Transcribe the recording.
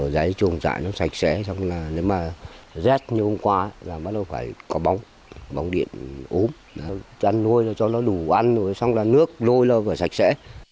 giấy chuồn chạy nó sạch sẽ xong rồi nếu mà rét như hôm qua bắt đầu phải có bóng điện ốm chăn nuôi cho nó đủ ăn rồi xong rồi nước nuôi nó phải sạch sẽ